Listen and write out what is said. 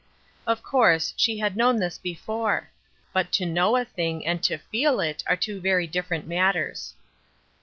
Of course, she had known this before ; but to know a thing and to feel it are two very different matters.